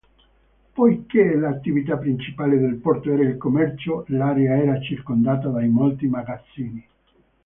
Poiché l'attività principale del porto era il commercio, l'area era circondata da molti magazzini.